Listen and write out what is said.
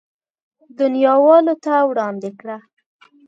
دنياوالو ته وړاندې کړه.